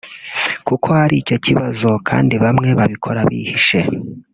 Kuba hari icyo kibazo kandi bamwe babikora bihishe